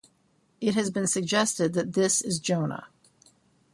It has been suggested that this is Jonah.